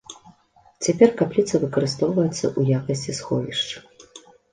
Цяпер капліца выкарыстоўваецца ў якасці сховішча.